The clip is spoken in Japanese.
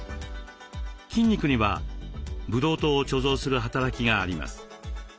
筋肉にはブドウ糖を貯蔵する働きがあります。